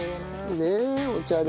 ねえお茶で。